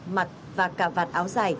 mặt và cả vạt áo dài